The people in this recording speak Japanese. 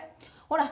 ほら！